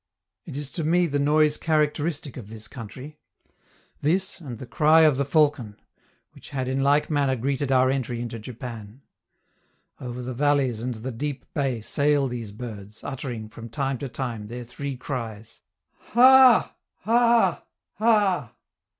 It is to me the noise characteristic of this country this, and the cry of the falcon, which had in like manner greeted our entry into Japan. Over the valleys and the deep bay sail these birds, uttering, from time to time, their three cries, "Ha! ha! ha!"